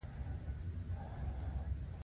پر دويمه هفته خبر راغى.